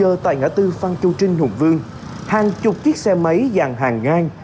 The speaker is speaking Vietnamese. một mươi một h tại ngã tư phan châu trinh hùng vương hàng chục chiếc xe máy dàn hàng ngang